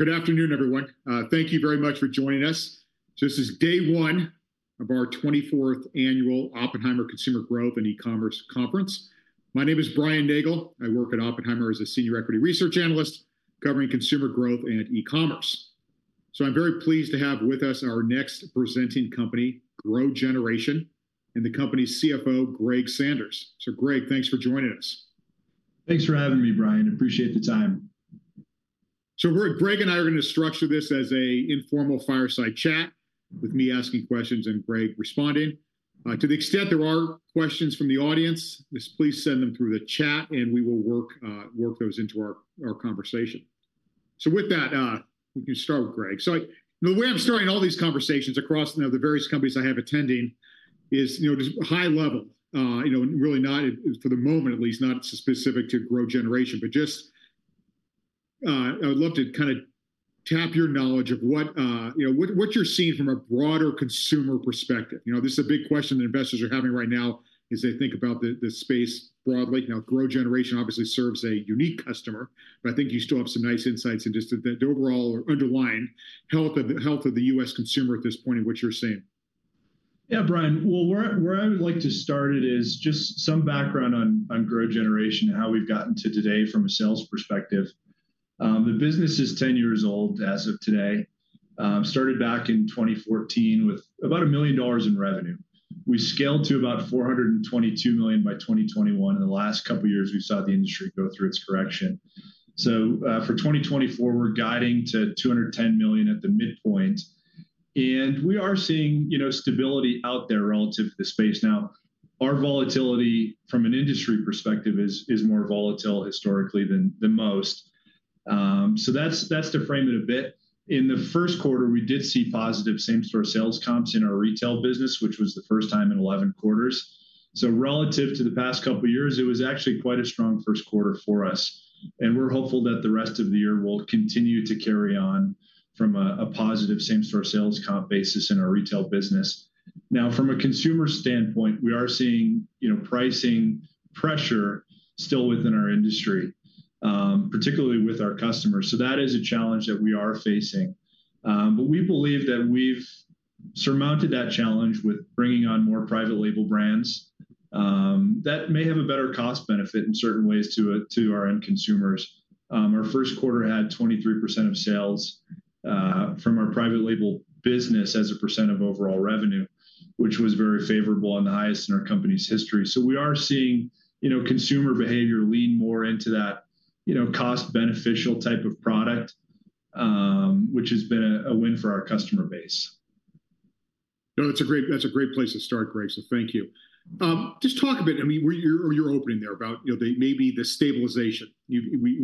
Well, good afternoon, everyone. Thank you very much for joining us. This is day one of our 24th Annual Oppenheimer Consumer Growth and E-Commerce Conference. My name is Brian Nagel. I work at Oppenheimer as a Senior Equity Research analyst, covering Consumer Growth and E-Commerce. I'm very pleased to have with us our next presenting company, GrowGeneration, and the company's CFO, Greg Sanders. Greg, thanks for joining us. Thanks for having me, Brian. Appreciate the time. So Greg, Greg and I are gonna structure this as an informal fireside chat, with me asking questions and Greg responding. To the extent there are questions from the audience, just please send them through the chat, and we will work those into our conversation. So with that, we can start with Greg. So the way I'm starting all these conversations across, you know, the various companies I have attending is, you know, just high level. You know, really not, for the moment at least, not specific to GrowGeneration, but just, I would love to kind of tap your knowledge of what, you know, what you're seeing from a broader consumer perspective. You know, this is a big question that investors are having right now as they think about the space broadly. Now, GrowGeneration obviously, serves a unique customer, but I think you still have some nice insights into just the overall or underlying health of the U.S. consumer at this point and what you're seeing. Yeah, Brian, well, where I would like to start it is just some background on GrowGeneration and how we've gotten to today from a sales perspective. The business is 10 years old as of today. Started back in 2014 with about $1 million in revenue. We scaled to about $422 million by 2021. In the last couple of years, we saw the industry go through its correction. So, for 2024, we're guiding to $210 million at the midpoint, and we are seeing, you know, stability out there relative to the space. Now, our volatility from an industry perspective is more volatile historically than most. So that's to frame it a bit. In the first quarter, we did see positive same-store sales comps in our retail business, which was the first time in 11 quarters. So relative to the past couple of years, it was actually quite a strong first quarter for us, and we're hopeful that the rest of the year will continue to carry on from a positive same-store sales comp basis in our retail business. Now, from a consumer standpoint, we are seeing, you know, pricing pressure still within our industry, particularly with our customers. So that is a challenge that we are facing. But we believe that we've surmounted that challenge with bringing on more private label brands, that may have a better cost benefit in certain ways to our end consumers. Our first quarter had 23% of sales from our private label business as a % of overall revenue, which was very favorable and the highest in our company's history. So we are seeing, you know, consumer behavior lean more into that, you know, cost beneficial type of product, which has been a win for our customer base. No, that's a great, that's a great place to start, Greg, so thank you. Your opening there about the maybe the stabilization we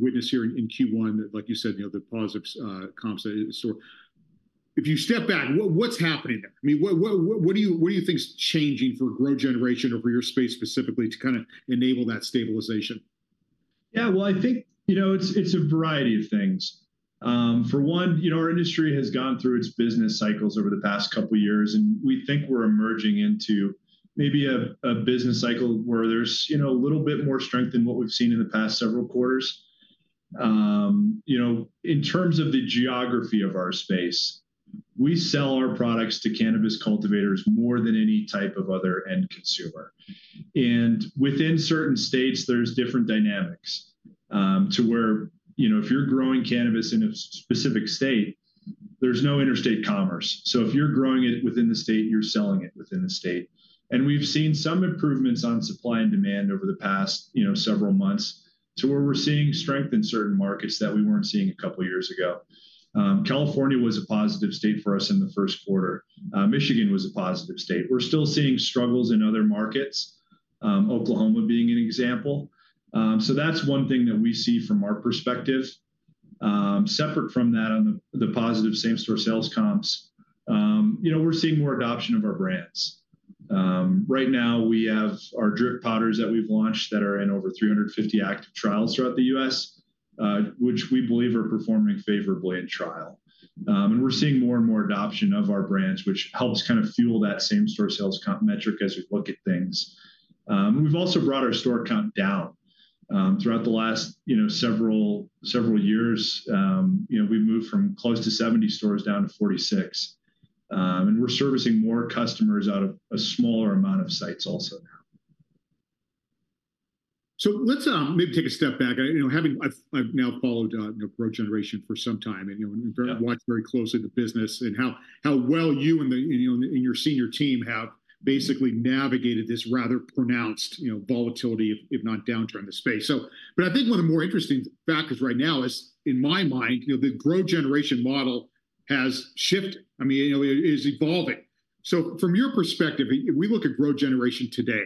witnessed here in Q1, like you said, you know, the positive comps store. If you step back, what's happening there? I mean, what do you think is changing for GrowGeneration or for your space specifically to kind of enable that stabilization? Yeah, well, I think, you know, it's, it's a variety of things. For one, you know, our industry has gone through its business cycles over the past couple of years, and we think we're emerging into maybe a, a business cycle where there's, you know, a little bit more strength than what we've seen in the past several quarters. You know, in terms of the geography of our space, we sell our products to cannabis cultivators more than any type of other end consumer. And within certain states, there's different dynamics to where, you know, if you're growing cannabis in a specific state, there's no interstate commerce. So if you're growing it within the state, you're selling it within the state. And we've seen some improvements on supply and demand over the past, you know, several months, to where we're seeing strength in certain markets that we weren't seeing a couple of years ago. California was a positive state for us in the first quarter. Michigan was a positive state. We're still seeing struggles in other markets, Oklahoma being an example. So that's one thing that we see from our perspective. Separate from that, on the positive same-store sales comps, you know, we're seeing more adoption of our brands. Right now, we have our Drip powders that we've launched that are in over 350 active trials throughout the U.S., which we believe are performing favorably in trial. And we're seeing more and more adoption of our brands, which helps kind of fuel that same-store sales comp metric as we look at things. We've also brought our store count down. Throughout the last, you know, several, several years, you know, we've moved from close to 70 stores down to 46. And we're servicing more customers out of a smaller amount of sites also now. So let's maybe take a step back. You know, I've now followed GrowGeneration for some time, and, you know, watched very closely the business and how well you and your senior team have basically navigated this rather pronounced, you know, volatility, if not downturn in the space. But I think one of the more interesting factors right now is, in my mind, you know, the GrowGeneration model has shifted. I mean, you know, it is evolving. From your perspective, if we look at GrowGeneration today,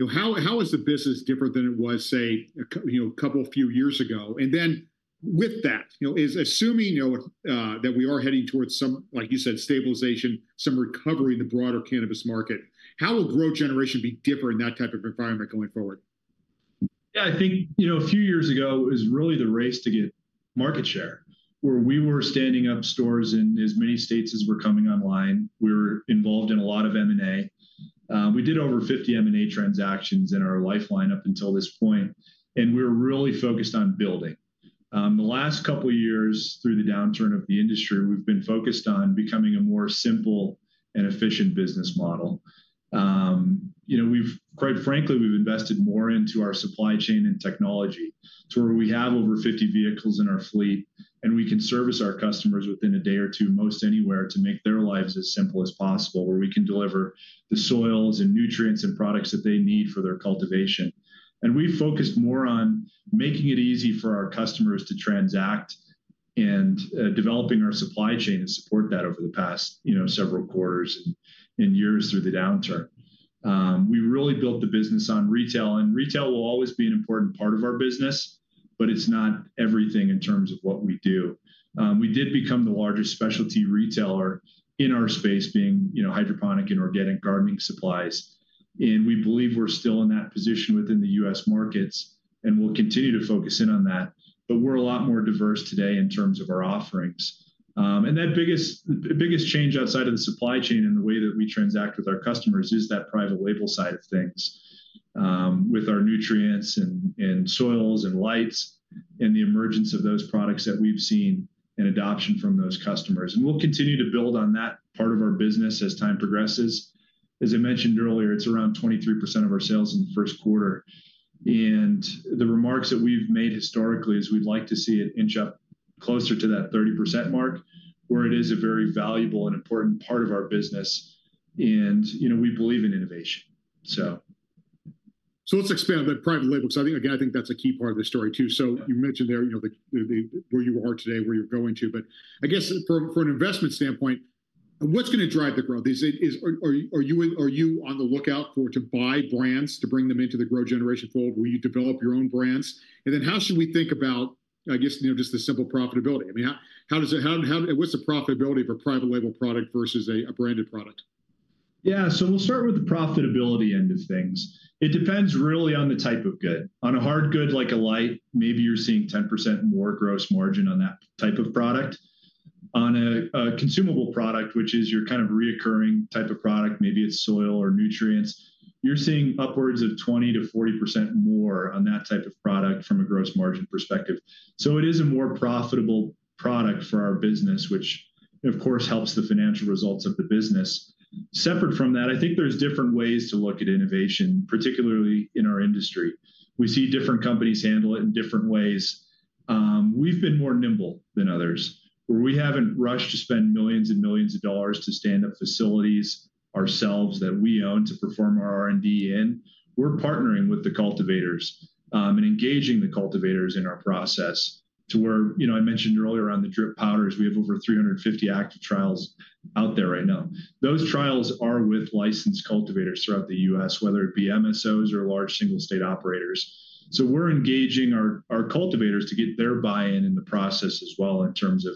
you know, how is the business different than it was, say, a couple of years ago? And then with that, you know, is assuming, you know, that we are heading towards some, like you said, stabilization, some recovery in the broader cannabis market, how will GrowGeneration be different in that type of environment going forward? Yeah, I think, you know, a few years ago, it was really the race to get market share, where we were standing up stores in as many states as were coming online. We were involved in a lot of M&A. We did over 50 M&A transactions in our lifetime up until this point, and we're really focused on building. The last couple years, through the downturn of the industry, we've been focused on becoming a more simple and efficient business model. You know, we've, quite frankly, we've invested more into our supply chain and technology to where we have over 50 vehicles in our fleet, and we can service our customers within a day or two, most anywhere, to make their lives as simple as possible, where we can deliver the soils and nutrients and products that they need for their cultivation. We've focused more on making it easy for our customers to transact and, developing our supply chain to support that over the past, you know, several quarters and, and years through the downturn. We really built the business on retail, and retail will always be an important part of our business, but it's not everything in terms of what we do. We did become the largest specialty retailer in our space, being, you know, hydroponic and organic gardening supplies, and we believe we're still in that position within the U.S. markets, and we'll continue to focus in on that. But we're a lot more diverse today in terms of our offerings. The biggest change outside of the supply chain and the way that we transact with our customers is that private label side of things, with our nutrients and soils and lights, and the emergence of those products that we've seen, and adoption from those customers. We'll continue to build on that part of our business as time progresses. As I mentioned earlier, it's around 23% of our sales in the first quarter, and the remarks that we've made historically is we'd like to see it inch up closer to that 30% mark, where it is a very valuable and important part of our business. You know, we believe in innovation, so. Let's expand on that private label, because I think, again, I think that's a key part of the story, too. So you mentioned there, you know, where you are today, where you're going to, but I guess from an investment standpoint, what's gonna drive the growth? Is it? Are you on the lookout for to buy brands to bring them into the GrowGeneration fold? Will you develop your own brands? And then how should we think about, I guess, you know, just the simple profitability? I mean, how does it? What's the profitability of a private label product versus a branded product? Yeah, so we'll start with the profitability end of things. It depends really on the type of good. On a hard good, like a light, maybe you're seeing 10% more gross margin on that type of product. On a consumable product, which is your kind of recurring type of product, maybe it's soil or nutrients, you're seeing upwards of 20%-40% more on that type of product from a gross margin perspective. So it is a more profitable product for our business, which, of course, helps the financial results of the business. Separate from that, I think there's different ways to look at innovation, particularly in our industry. We see different companies handle it in different ways. We've been more nimble than others, where we haven't rushed to spend millions and millions of dollars to stand up facilities ourselves that we own to perform our R&D in. We're partnering with the cultivators and engaging the cultivators in our process to where I mentioned earlier on the Drip powders, we have over 350 active trials out there right now. Those trials are with licensed cultivators throughout the U.S., whether it be MSOs or large single-state operators. So we're engaging our cultivators to get their buy-in in the process as well, in terms of,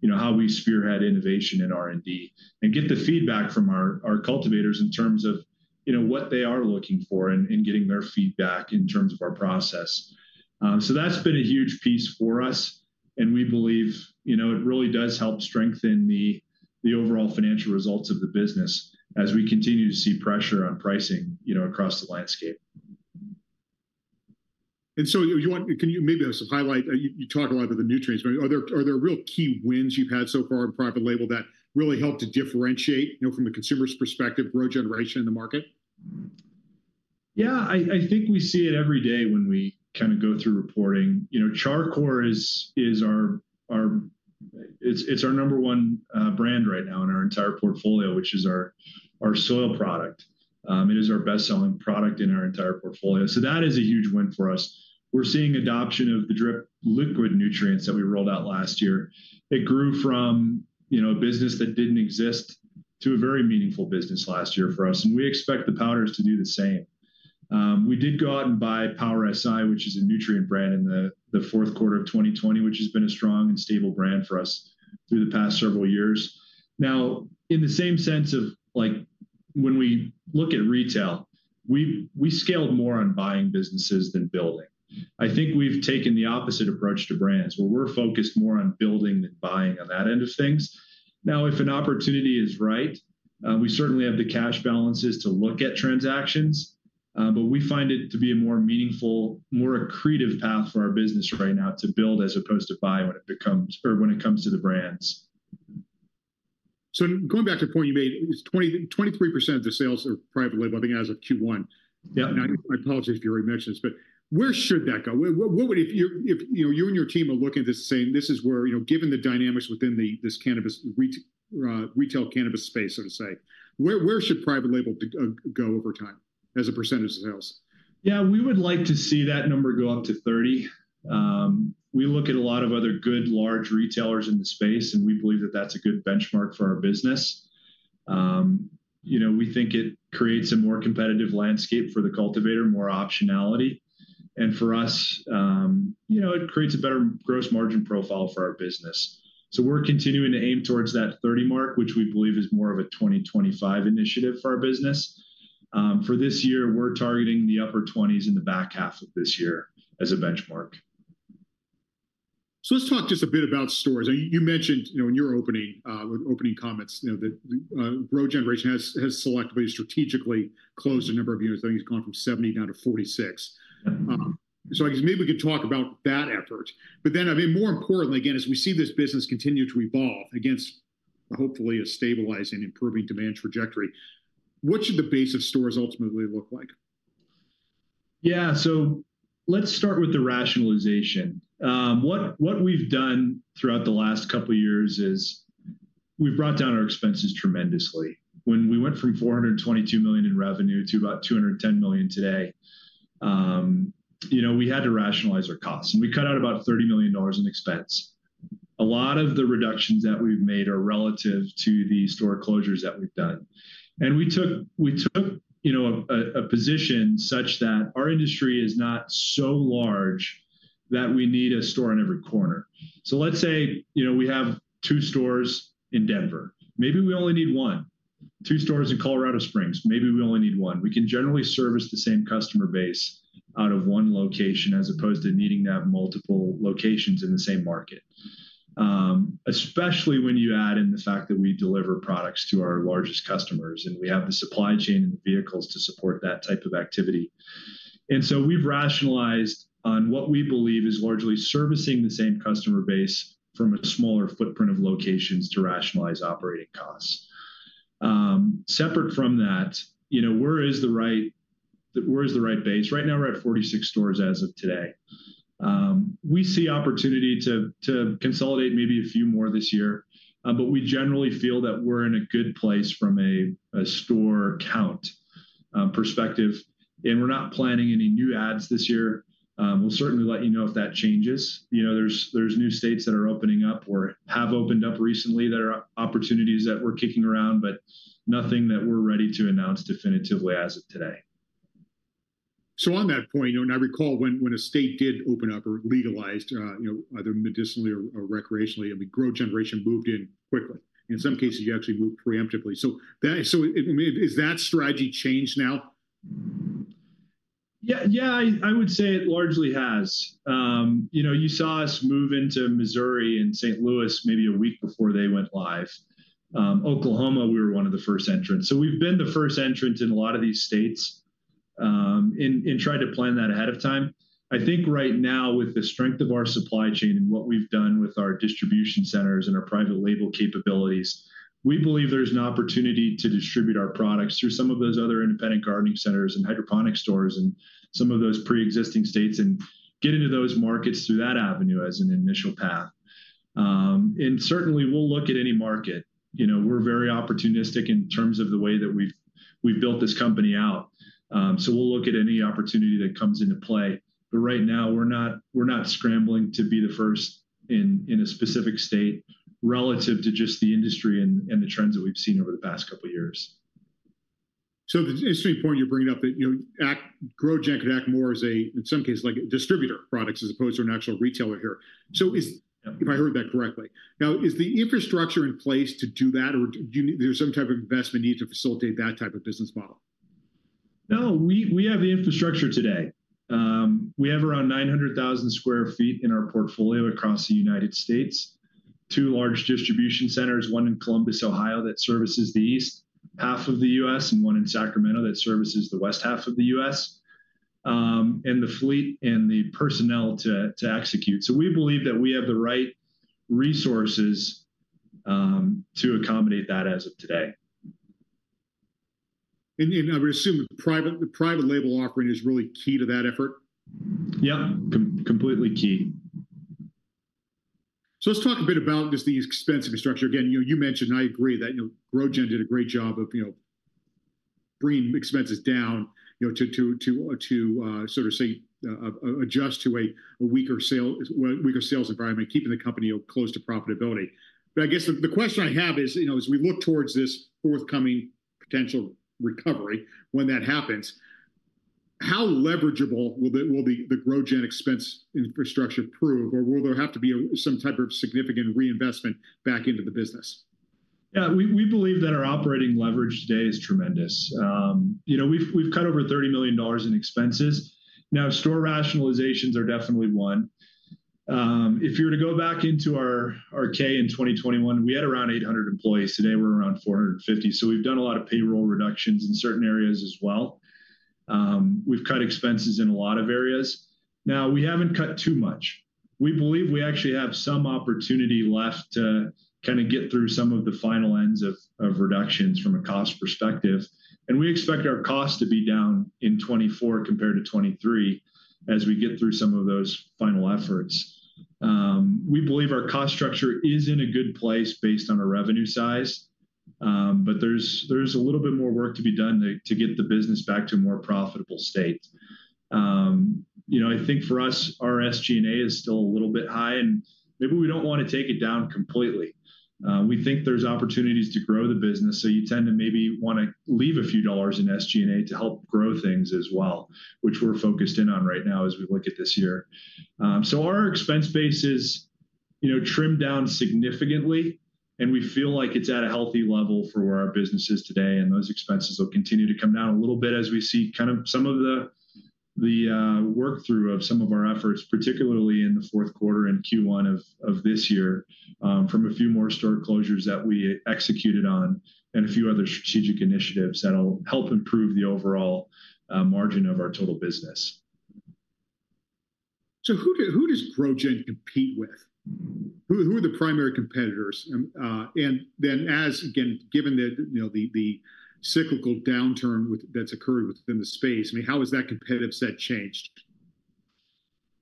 you know, how we spearhead innovation in R&D, and get the feedback from our cultivators in terms of, you know, what they are looking for, and getting their feedback in terms of our process. So that's been a huge piece for us, and we believe, you know, it really does help strengthen the overall financial results of the business as we continue to see pressure on pricing, you know, across the landscape. Can you maybe also highlight, you talk a lot about the nutrients, but are there real key wins you've had so far in private label that really help to differentiate, you know, from the consumer's perspective, GrowGeneration in the market? Yeah, I think we see it every day when we kind of go through reporting. You know, Char Coir is our number one brand right now in our entire portfolio, which is our soil product. It is our best-selling product in our entire portfolio, so that is a huge win for us. We're seeing adoption of the Drip liquid nutrients that we rolled out last year. It grew from a business that didn't exist to a very meaningful business last year for us, and we expect the powders to do the same. We did go out and buy Power Si, which is a nutrient brand in the fourth quarter of 2020, which has been a strong and stable brand for us through the past several years. Now, in the same sense of, like, when we look at retail, we scaled more on buying businesses than building. I think we've taken the opposite approach to brands, where we're focused more on building than buying on that end of things. Now, if an opportunity is right, we certainly have the cash balances to look at transactions, but we find it to be a more meaningful, more accretive path for our business right now to build as opposed to buy when it comes to the brands. Going back to the point you made, it was 20%-23% of the sales are private label, I think, as of Q1. Yeah. Now, my apologies if you already mentioned this, but where should that go? If you're, if, you know, you and your team are looking at this and saying, "This is where given the dynamics within this cannabis retail cannabis space", so to say, where, where should private label go over time, as a percentage of sales? Yeah, we would like to see that number go up to 30. We look at a lot of other good, large retailers in the space, and we believe that that's a good benchmark for our business. You know, we think it creates a more competitive landscape for the cultivator, more optionality. And for us, you know, it creates a better gross margin profile for our business. So we're continuing to aim towards that 30 mark, which we believe is more of a 2025 initiative for our business. For this year, we're targeting the upper 20s in the back half of this year as a benchmark. So let's talk just a bit about stores. Now, you mentioned, you know, in your opening opening comments, you know, that GrowGeneration has selectively, strategically closed a number of units. I think it's gone from 70 down to 46. So, I guess maybe we could talk about that effort. But then, I mean, more importantly, again, as we see this business continue to evolve against hopefully, a stabilizing, improving demand trajectory, what should the base of stores ultimately look like? Yeah, so let's start with the rationalization. What we've done throughout the last couple years is we've brought down our expenses tremendously. When we went from $422 million in revenue to about $210 million today, you know, we had to rationalize our costs, and we cut out about $30 million in expense. A lot of the reductions that we've made are relative to the store closures that we've done, and we took, you know, a position such that our industry is not so large that we need a store on every corner. So let's say, you know, we have two stores in Denver. Maybe we only need one. Two stores in Colorado Springs, maybe we only need one. We can generally service the same customer base out of one location, as opposed to needing to have multiple locations in the same market. Especially when you add in the fact that we deliver products to our largest customers, and we have the supply chain and the vehicles to support that type of activity. So we've rationalized on what we believe is largely servicing the same customer base from a smaller footprint of locations to rationalize operating costs. Separate from that, you know, where is the right base? Right now, we're at 46 stores as of today. We see opportunity to consolidate maybe a few more this year, but we generally feel that we're in a good place from a store count perspective, and we're not planning any new adds this year. We'll certainly let you know if that changes. You know, there's new states that are opening up or have opened up recently that are opportunities that we're kicking around, but nothing that we're ready to announce definitively as of today. So on that point, you know, and I recall when, when a state did open up or legalized, you know, either medicinally or, or recreationally, I mean, GrowGeneration moved in quickly. In some cases, you actually moved preemptively. Has that strategy changed now? Yeah, yeah, I would say it largely has. You know, you saw us move into Missouri and St. Louis maybe a week before they went live. Oklahoma, we were one of the first entrants, so we've been the first entrant in a lot of these states, and tried to plan that ahead of time. I think right now, with the strength of our supply chain and what we've done with our distribution centers and our private label capabilities, we believe there's an opportunity to distribute our products through some of those other independent gardening centers and hydroponic stores in some of those pre-existing states and get into those markets through that avenue as an initial path. And certainly, we'll look at any market. You know, we're very opportunistic in terms of the way that we've built this company out. So we'll look at any opportunity that comes into play, but right now, we're not, we're not scrambling to be the first in, in a specific state relative to just the industry and, and the trends that we've seen over the past couple years. So the interesting point you're bringing up, that, you know, GrowGen could act more as a, in some cases, like a distributor of products as opposed to an actual retailer here. So, if I heard that correctly. Now, is the infrastructure in place to do that, or there's some type of investment needed to facilitate that type of business model? No, we have the infrastructure today. We have around 900,000 sq ft in our portfolio across the United States, two large distribution centers, one in Columbus, Ohio, that services the east half of the U.S., and one in Sacramento that services the west half of the U.S., and the fleet and the personnel to execute. So we believe that we have the right resources to accommodate that as of today. And I would assume the private label offering is really key to that effort? Yeah, completely key. So let's talk a bit about just the expense structure. Again, you mentioned, and I agree that, you know, GrowGen did a great job of, you know, bringing expenses down, you know, to sort of adjust to a weaker sales environment, keeping the company close to profitability. But I guess the question I have is, you know, as we look towards this forthcoming potential recovery, when that happens, how leverageable will the GrowGen expense infrastructure prove, or will there have to be a some type of significant reinvestment back into the business? Yeah, we believe that our operating leverage today is tremendous. You know, we've cut over $30 million in expenses. Now, store rationalizations are definitely one. If you were to go back into our 10-K in 2021, we had around 800 employees. Today, we're around 450, so we've done a lot of payroll reductions in certain areas as well. We've cut expenses in a lot of areas. Now, we haven't cut too much. We believe we actually have some opportunity left to kind of get through some of the final ends of reductions from a cost perspective, and we expect our costs to be down in 2024 compared to 2023 as we get through some of those final efforts. We believe our cost structure is in a good place based on our revenue size, but there's a little bit more work to be done to get the business back to a more profitable state. You know, I think for us, our SG&A is still a little bit high, and maybe we don't want to take it down completely. We think there's opportunities to grow the business, so you tend to maybe wanna leave a few dollars in SG&A to help grow things as well, which we're focused in on right now as we look at this year. So our expense base is, you know, trimmed down significantly, and we feel like it's at a healthy level for where our business is today, and those expenses will continue to come down a little bit as we see kind of some of the work-through of some of our efforts, particularly in the fourth quarter and Q1 of this year, from a few more store closures that we executed on and a few other strategic initiatives that'll help improve the overall margin of our total business. Who does GrowGen compete with? Who are the primary competitors? And, and then as, again, given that, you know, the cyclical downturn that's occurred within the space, I mean, how has that competitive set changed?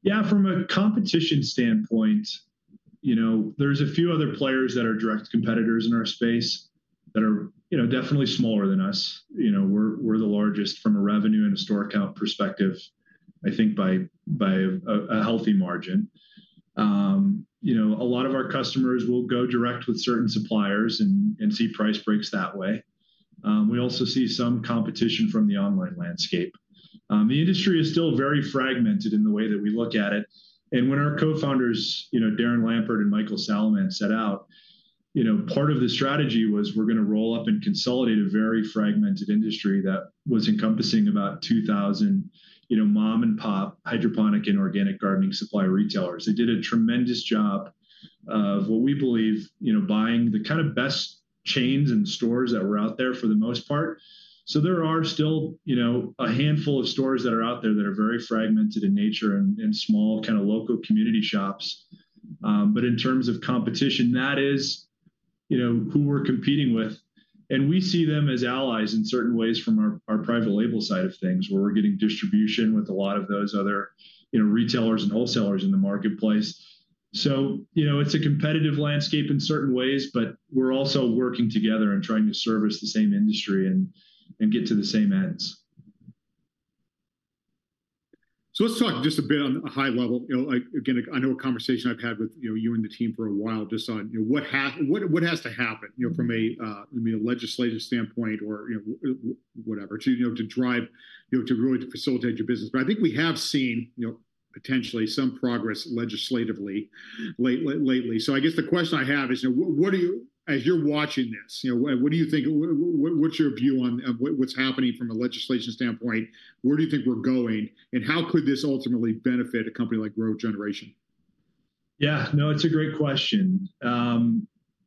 Yeah, from a competition standpoint, you know, there's a few other players that are direct competitors in our space that are, you know, definitely smaller than us. You know, we're the largest from a revenue and a store count perspective, I think by a healthy margin. You know, a lot of our customers will go direct with certain suppliers and see price breaks that way. We also see some competition from the online landscape. The industry is still very fragmented in the way that we look at it, and when our co-founders, you know, Darren Lampert and Michael Salaman, set out, you know, part of the strategy was we're gonna roll up and consolidate a very fragmented industry that was encompassing about 2,000, you know, mom-and-pop hydroponic and organic gardening supply retailers. They did a tremendous job of what we believe, you know, buying the kind of best chains and stores that were out there for the most part. So there are still, you know, a handful of stores that are out there that are very fragmented in nature and small, kind of, local community shops. But in terms of competition, that is, you know, who we're competing with, and we see them as allies in certain ways from our private label side of things, where we're getting distribution with a lot of those other, you know, retailers and wholesalers in the marketplace. So, you know, it's a competitive landscape in certain ways, but we're also working together and trying to service the same industry and get to the same ends. So let's talk just a bit on a high level. You know, like, again, I know a conversation I've had with, you know, you and the team for a while just on, you know, what has to happen, you know, from a, I mean, a legislative standpoint or, you know, whatever, to, you know, to drive, you know, to really to facilitate your business. But I think we have seen, you know, potentially some progress legislatively lately, lately. So I guess the question I have is, as you're watching this, you know, what do you think, what's your view on, on what, what's happening from a legislation standpoint? Where do you think we're going, and how could this ultimately benefit a company like GrowGeneration? Yeah. No, it's a great question.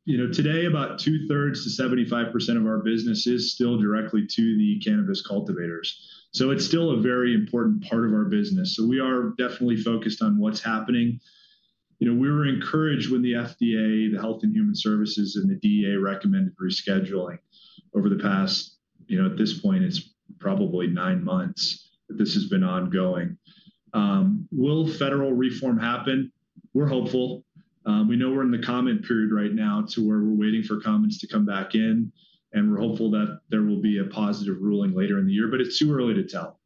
You know, today, about two-thirds to 75% of our business is still directly to the cannabis cultivators, so it's still a very important part of our business, so we are definitely focused on what's happening. You know, we were encouraged when the FDA, the Health and Human Services, and the DEA recommended rescheduling over the past, you know, at this point, it's probably nine months that this has been ongoing. Will federal reform happen? We're hopeful. We know we're in the comment period right now to where we're waiting for comments to come back in, and we're hopeful that there will be a positive ruling later in the year, but it's too early to tell.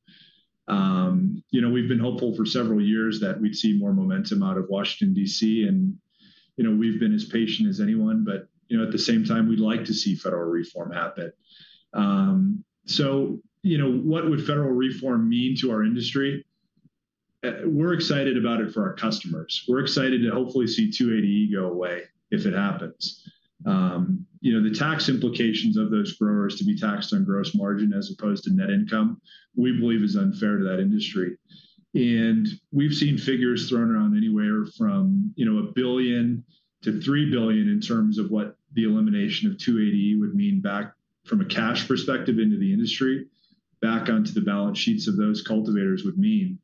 You know, we've been hopeful for several years that we'd see more momentum out of Washington, D.C., and, you know, we've been as patient as anyone, but, you know, at the same time, we'd like to see federal reform happen. So, you know, what would federal reform mean to our industry? We're excited about it for our customers. We're excited to hopefully see 280E go away if it happens. You know, the tax implications of those growers to be taxed on gross margin as opposed to net income, we believe is unfair to that industry. And we've seen figures thrown around anywhere from, you know, $1 billion-$3 billion in terms of what the elimination of 280E would mean back from a cash perspective into the industry, back onto the balance sheets of those cultivators would mean.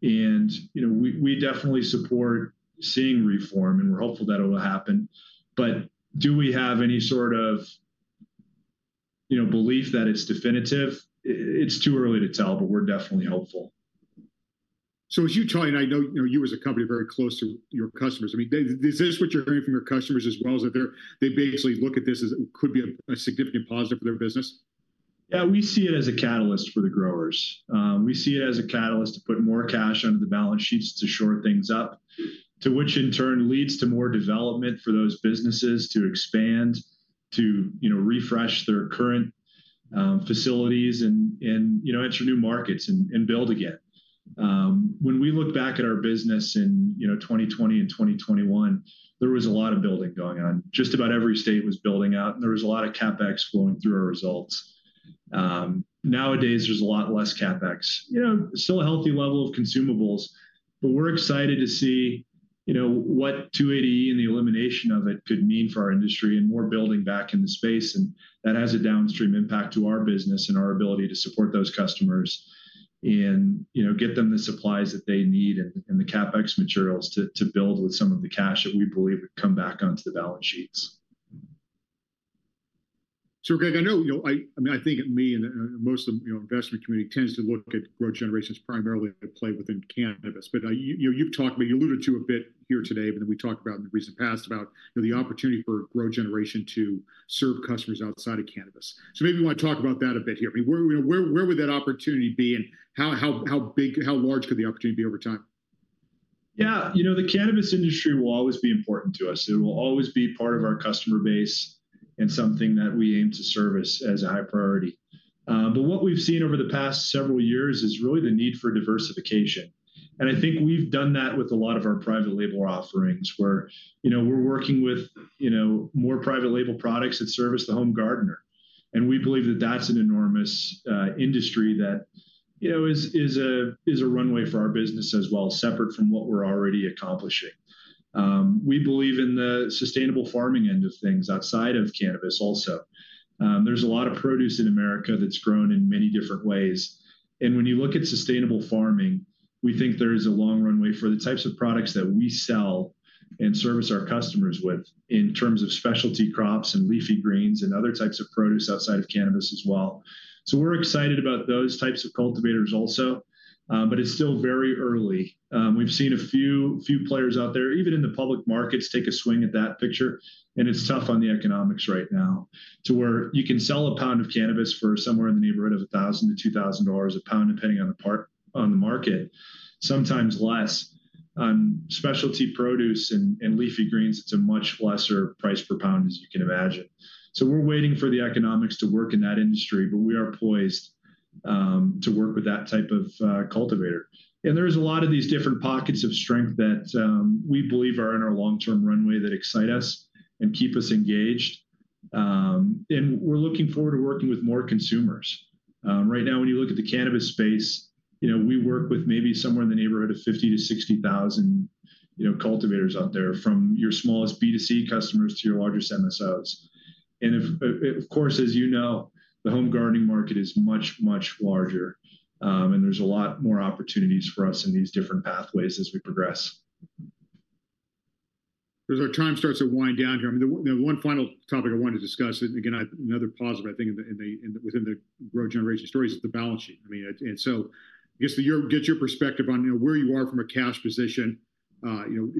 You know, we definitely support seeing reform, and we're hopeful that it will happen. But do we have any sort of, you know, belief that it's definitive? It's too early to tell, but we're definitely hopeful. So as you try, and I know, you know, you as a company are very close to your customers. I mean, is this what you're hearing from your customers as well, is that they're they basically look at this as it could be a, a significant positive for their business? Yeah, we see it as a catalyst for the growers. We see it as a catalyst to put more cash onto the balance sheets to shore things up, to which in turn leads to more development for those businesses to expand, to, you know, refresh their current, facilities, and, and, you know, enter new markets and, and build again. When we look back at our business in, you know, 2020 and 2021, there was a lot of building going on. Just about every state was building out, and there was a lot of CapEx flowing through our results. Nowadays, there's a lot less CapEx. You know, still a healthy level of consumables, but we're excited to see, you know, what 280E and the elimination of it could mean for our industry and more building back in the space, and that has a downstream impact to our business and our ability to support those customers and, you know, get them the supplies that they need and the CapEx materials to build with some of the cash that we believe would come back onto the balance sheets. So, Greg, I know, you know, I mean, I think me and most of, you know, investment community tends to look at GrowGeneration primarily at play within cannabis. But you, you've talked, but you alluded to a bit here today, but then we talked about in the recent past about, you know, the opportunity for GrowGeneration to serve customers outside of cannabis. So maybe you want to talk about that a bit here. I mean, where would that opportunity be, and how big, how large could the opportunity be over time? Yeah, you know, the cannabis industry will always be important to us, and it will always be part of our customer base and something that we aim to service as a high priority. But what we've seen over the past several years is really the need for diversification, and I think we've done that with a lot of our private label offerings, where, you know, we're working with, you know, more private label products that service the home gardener. And we believe that that's an enormous, industry that, you know, is, is a, is a runway for our business as well, separate from what we're already accomplishing. We believe in the sustainable farming end of things outside of cannabis also. There's a lot of produce in America that's grown in many different ways, and when you look at sustainable farming, we think there is a long runway for the types of products that we sell and service our customers with in terms of specialty crops and leafy greens and other types of produce outside of cannabis as well. So we're excited about those types of cultivators also, but it's still very early. We've seen a few players out there, even in the public markets, take a swing at that picture, and it's tough on the economics right now to where you can sell a pound of cannabis for somewhere in the neighborhood of $1,000-$2,000 a pound, depending on the market, sometimes less. On specialty produce and leafy greens, it's a much lesser price per pound, as you can imagine. So we're waiting for the economics to work in that industry, but we are poised to work with that type of cultivator. And there is a lot of these different pockets of strength that we believe are in our long-term runway that excite us and keep us engaged. And we're looking forward to working with more consumers. Right now, when you look at the cannabis space, you know, we work with maybe somewhere in the neighborhood of 50,000-60,000, you know, cultivators out there, from your smallest B2C customers to your largest MSOs. And if, of course, as you know, the home gardening market is much, much larger, and there's a lot more opportunities for us in these different pathways as we progress. As our time starts to wind down here, I mean, the one final topic I wanted to discuss, and again, another positive, I think, in the within the GrowGeneration stories is the balance sheet. I mean, and so I guess to get your perspective on, you know, where you are from a cash position. You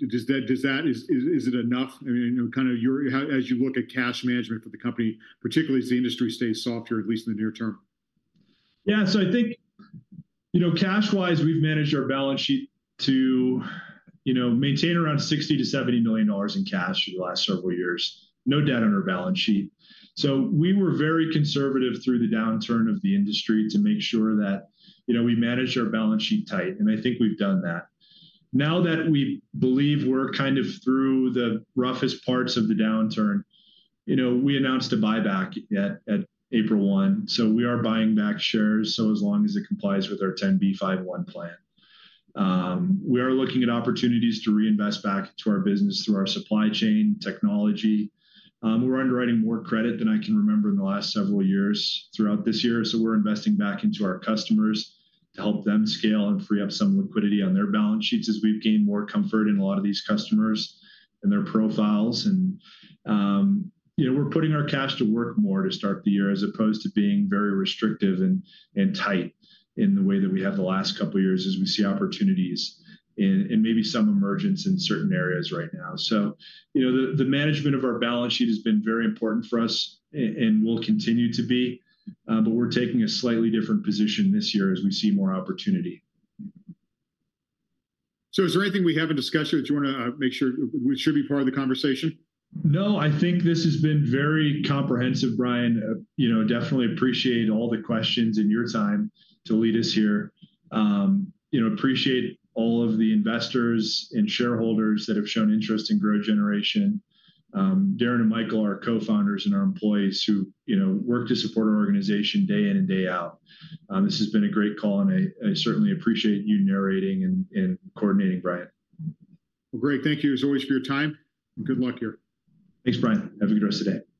know, is it enough? I mean, kind of how as you look at cash management for the company, particularly as the industry stays softer, at least in the near term. Yeah, so I think, you know, cash-wise, we've managed our balance sheet to, you know, maintain around $60 million-$70 million in cash through the last several years, no debt on our balance sheet. So we were very conservative through the downturn of the industry to make sure that, you know, we managed our balance sheet tight, and I think we've done that. Now that we believe we're kind of through the roughest parts of the downturn, you know, we announced a buyback at April 1. So we are buying back shares, so as long as it complies with our 10b5-1 Plan. We are looking at opportunities to reinvest back into our business through our supply chain technology. We're underwriting more credit than I can remember in the last several years throughout this year, so we're investing back into our customers to help them scale and free up some liquidity on their balance sheets as we've gained more comfort in a lot of these customers and their profiles. And, you know, we're putting our cash to work more to start the year, as opposed to being very restrictive and tight in the way that we have the last couple of years, as we see opportunities and maybe some emergence in certain areas right now. The management of our balance sheet has been very important for us and will continue to be, but we're taking a slightly different position this year as we see more opportunity. Is there anything we haven't discussed here that you want to make sure, which should be part of the conversation? No, I think this has been very comprehensive, Brian. You know, definitely appreciate all the questions and your time to lead us here. You know, appreciate all of the investors and shareholders that have shown interest in GrowGeneration, Darren and Michael, our co-founders, and our employees who, you know, work to support our organization day in and day out. This has been a great call, and I certainly appreciate you narrating and coordinating, Brian. Well, great. Thank you, as always, for your time, and good luck here. Thanks, Brian. Have a good rest of the day.